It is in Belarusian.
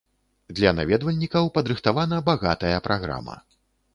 Для наведвальнікаў падрыхтавана багатая праграма.